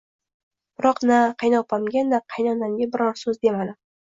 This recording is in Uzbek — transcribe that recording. Biroq na qaynopamga, na qaynonamga biror so`z demadim